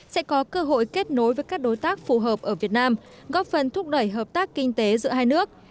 sẽ có cơ hội kết nối với các đối tác phù hợp ở việt nam góp phần thúc đẩy hợp tác kinh tế giữa hai nước